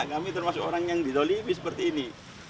kami termasuk orang yang di dolibi seperti ini